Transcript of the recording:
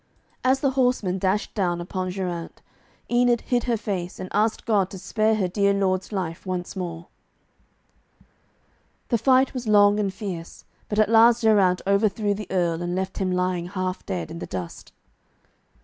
As the horseman dashed down upon Geraint, Enid hid her face, and asked God to spare her dear lord's life once more. The fight was long and fierce, but at last Geraint overthrew the Earl, and left him lying half dead in the dust.